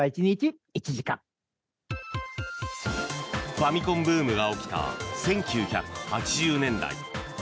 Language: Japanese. ファミコンブームが起きた１９８０年代。